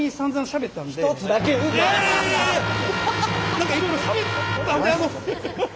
何かいろいろしゃべったんであの。